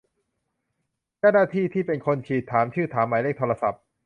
เจ้าหน้าที่ที่เป็นคนฉีด ถามชื่อ ถามหมายเลขโทรศัพท์